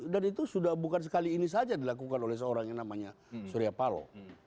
dan itu sudah bukan sekali ini saja dilakukan oleh seorang yang namanya suriapalo